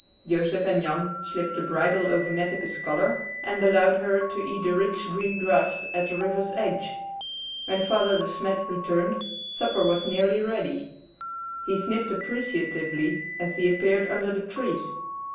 Joseph and Jan slipped the bridle over Netteke's collar and allowed her to eat the rich green grass at the river's edge. When Father De Smet returned, supper was nearly ready. He sniffed appreciatively as he appeared under the trees.